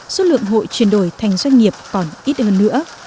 số lượng hội chuyển đổi thành doanh nghiệp còn ít hơn nữa